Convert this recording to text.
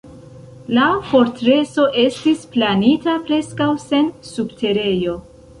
La fortreso estis planita preskaŭ sen subterejo.